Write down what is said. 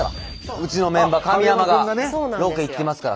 うちのメンバー神山がロケ行ってますから。